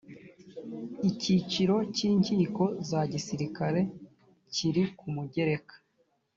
icyiciro cy’ inkiko za gisirikare kiri ku mugereka